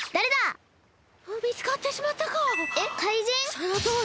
そのとおり！